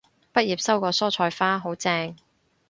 畢業收過蔬菜花，好正